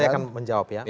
saya akan menjawab ya